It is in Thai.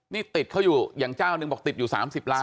นี่ติดเขาอยู่อย่างเจ้าหนึ่งบอกติดอยู่๓๐ล้าน